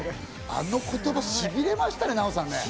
あの言葉、しびれましたね、ナヲさん。